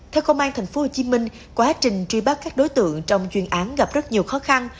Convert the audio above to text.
theo công an tp hcm quá trình truy bắt các đối tượng trong chuyên án gặp rất nhiều khó khăn